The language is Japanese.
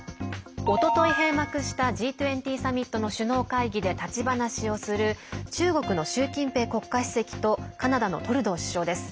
おととい閉幕したＧ２０サミットの首脳会議で立ち話をする中国の習近平国家主席とカナダのトルドー首相です。